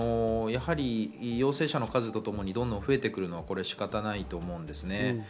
陽性者の数とともに、どんどん増えてくるのは仕方がないと思うんですね。